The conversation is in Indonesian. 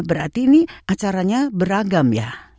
berarti ini acaranya beragam ya